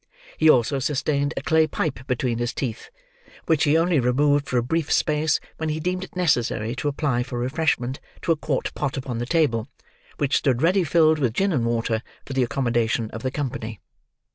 He also sustained a clay pipe between his teeth, which he only removed for a brief space when he deemed it necessary to apply for refreshment to a quart pot upon the table, which stood ready filled with gin and water for the accommodation of the company.